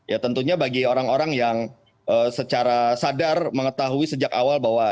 ya tentunya bagi orang orang yang secara sadar mengetahui sejak awal bahwa